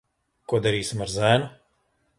Ko darīsim ar zēnu?